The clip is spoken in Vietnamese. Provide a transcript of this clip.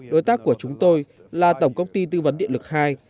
đối tác của chúng tôi là tổng công ty tư vấn điện lực hai